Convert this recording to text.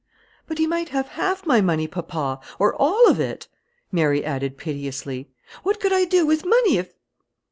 "But he might have half my money, papa, or all of it," Mary added piteously. "What could I do with money, if